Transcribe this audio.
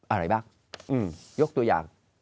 อะไรบ้างยกตัวอย่าง